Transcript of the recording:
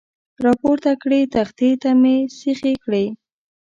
را پورته کړې، تختې ته مې سیخې کړې.